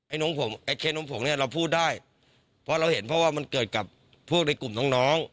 น้องผมไอ้เคสน้องผมเนี่ยเราพูดได้เพราะเราเห็นเพราะว่ามันเกิดกับพวกในกลุ่มน้องน้อง